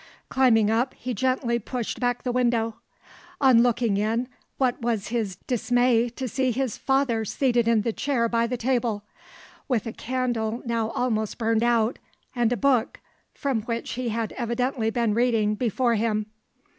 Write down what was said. Climbing up, he gently pushed back the window. On looking in, what was his dismay to see his father seated in the chair by the table, with a candle now almost burned out, and a book, from which he had evidently been reading, before him!